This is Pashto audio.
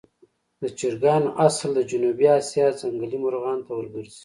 د چرګانو اصل د جنوبي آسیا ځنګلي مرغانو ته ورګرځي.